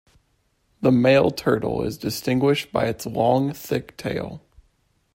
The male turtle is distinguished by its long, thick tail.